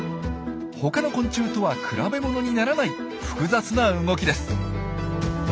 他の昆虫とは比べものにならない複雑な動きです。